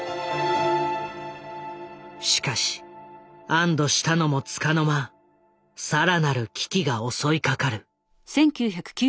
しかし安堵したのもつかの間更なる危機が襲いかかる。